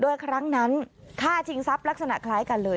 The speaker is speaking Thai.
โดยครั้งนั้นฆ่าชิงทรัพย์ลักษณะคล้ายกันเลย